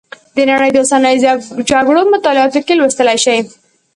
د نړۍ د اوسنیو جګړو مطالعاتو کې لوستلی شئ.